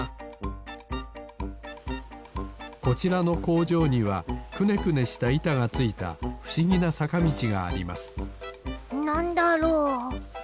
こちらのこうじょうにはくねくねしたいたがついたふしぎなさかみちがありますなんだろう？